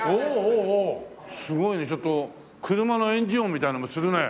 すごいねちょっと車のエンジン音みたいなのもするね。